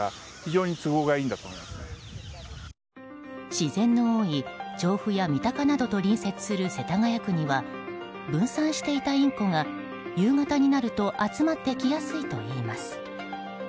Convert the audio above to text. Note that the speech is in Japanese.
自然の多い調布や三鷹などと隣接する世田谷区には分散していたインコが夕方になると集まってきやすいといいます。